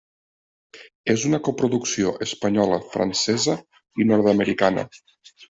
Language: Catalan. És una coproducció espanyola, francesa i nord-americana.